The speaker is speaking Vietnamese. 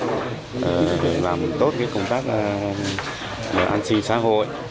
để làm tốt công tác an sinh xã hội